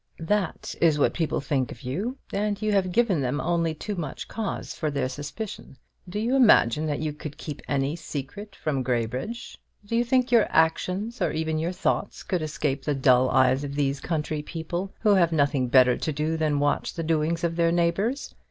That is what people think of you; and you have given them only too much cause for their suspicion. Do you imagine that you could keep any secret from Graybridge? do you think your actions or even your thoughts could escape the dull eyes of these country people, who have nothing better to do than watch the doings of their neighbours?"